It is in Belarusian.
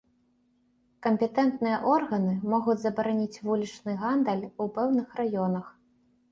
Кампетэнтныя органы могуць забараніць вулічны гандаль у пэўных раёнах.